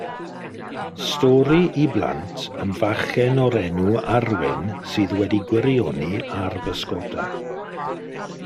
Stori i blant am fachgen o'r enw Arwyn sydd wedi gwirioni ar bysgota.